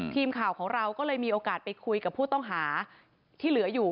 ทีมข่าวของเราก็เลยมีโอกาสไปคุยกับผู้ต้องหาที่เหลืออยู่